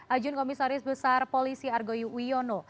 ajun komisaris besar polisi argo yuwono